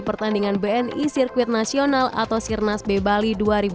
pertandingan bni sirkuit nasional atau sirnas b bali dua ribu dua puluh